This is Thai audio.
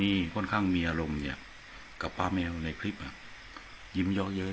เรียกอย่างเรียกร้องข้าเสียหายอะไรเราไปทำอะไรเขาเสียหาย